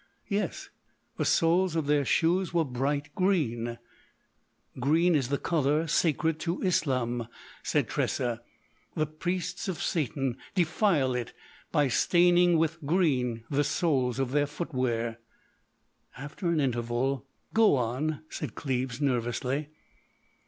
"Yes. The soles of their shoes were bright green." "Green is the colour sacred to Islam," said Tressa. "The priests of Satan defile it by staining with green the soles of their footwear." After an interval: "Go on," said Cleves nervously.